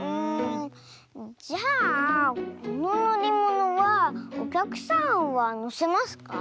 じゃあこののりものはおきゃくさんはのせますか？